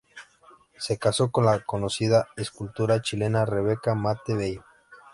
Se casó con la conocida escultora chilena Rebeca Matte Bello.